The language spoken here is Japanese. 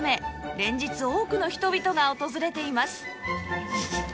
連日多くの人々が訪れています